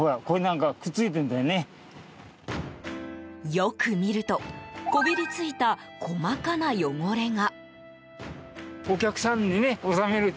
よく見るとこびりついた細かな汚れが。